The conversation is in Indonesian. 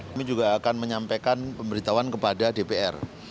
kami juga akan menyampaikan pemberitahuan kepada dpr